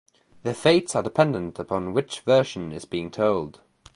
Their fates are dependent upon which version is being told.